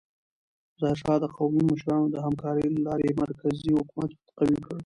ظاهرشاه د قومي مشرانو د همکارۍ له لارې مرکزي حکومت قوي کړ.